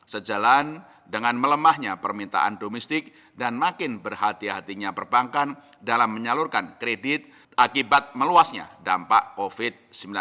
sejalan dengan melemahnya permintaan domestik dan makin berhati hatinya perbankan dalam menyalurkan kredit akibat meluasnya dampak covid sembilan belas